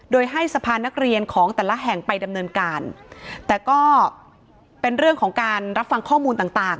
โดยให้สะพานนักเรียนของแต่ละแห่งไปดำเนินการแต่ก็เป็นเรื่องของการรับฟังข้อมูลต่างต่าง